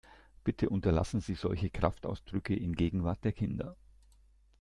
Bitte unterlassen sie solche Kraftausdrücke in Gegenwart der Kinder!